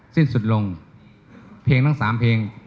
สิ้นสุดลงเพลงทั้ง๓เพลง